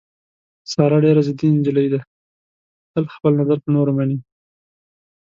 ساره ډېره ضدي نجیلۍ ده، تل خپل نظر په نورو مني.